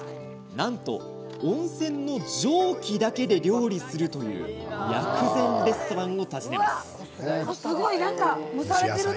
なんと温泉の蒸気だけで料理するという薬膳レストランを訪ねます。